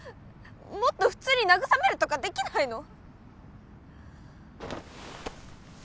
もっと普通に慰めるとかできないの？